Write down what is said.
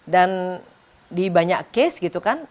dan di banyak case gitu kan